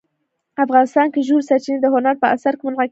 افغانستان کې ژورې سرچینې د هنر په اثار کې منعکس کېږي.